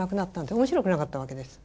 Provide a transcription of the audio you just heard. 面白くなかったわけです。